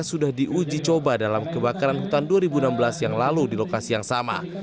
sudah diuji coba dalam kebakaran hutan dua ribu enam belas yang lalu di lokasi yang sama